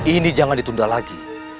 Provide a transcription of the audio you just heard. ini jangan ditunda lagi